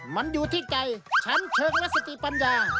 มันอยู่ที่ใจฉันเชิงและสติปัญญา